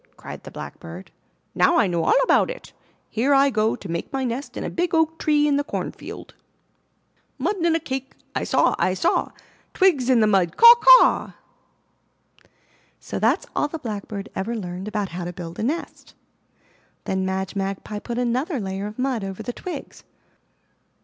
cried the Black bird. "Now I know all about it! Here I go to make my nest in a big oak tree in the cornfield. 173 MY BOOK HOUSE Mud in a cake! I saw! I saw! Twigs in the mud! Caw! caw!'* So that's all the Blackbird ever learned about how to build a nest. Then Madge Magpie put another layer of mud over the twigs.